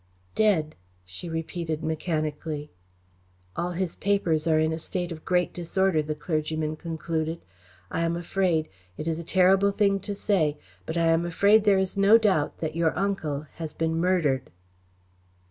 "Dead!" she repeated mechanically. "All his papers are in a state of great disorder," the clergyman concluded. "I am afraid it is a terrible thing to say, but I am afraid there is no doubt that your uncle has been murdered."